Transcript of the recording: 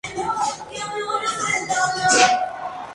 Hasta la estación de Romanshorn llegan dos de esas redes de S-Bahn.